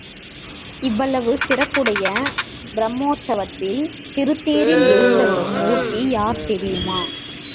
இவ்வளவு சிறப்புடைய பிரம்மோற்சவத்தில் திருத்தேரில் எழுந்தருளும் மூர்த்தி யார் தெரியுமா?